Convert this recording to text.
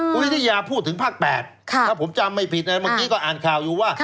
คุณวิทยาพูดถึงภาค๘ถ้าผมจำไม่ผิดเมื่อกี้ก็อ่านข่าวอยู่ว่า